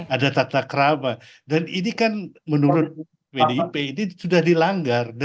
ada tata krama dan ini kan menurut pdip ini sudah dilanggar dan tidak bisa lagi susah banget ya